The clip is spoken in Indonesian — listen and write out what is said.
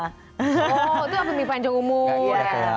oh itu yang lebih panjang umum